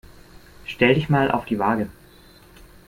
Stell dich mal auf die Waage.